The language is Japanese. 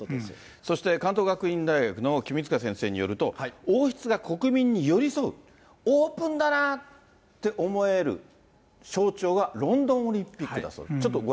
そして、関東学院大学の君塚先生によると、王室が国民に寄り添う、オープンだなって思える象徴がロンドンオリンピックだそう。